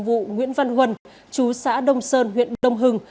vụ nguyễn văn huân chú xã đông sơn huyện đông hưng